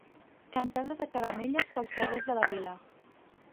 Cantada de caramelles pels carrers de la vila.